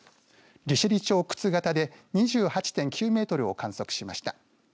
利尻町沓形で２８．９メートルを観測しました。